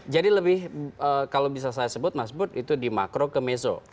jadi lebih kalau bisa saya sebut mas bud itu di makro ke mezzo